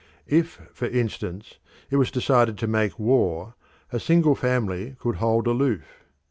If, for instance, it was decided to make war, a single family could hold aloof.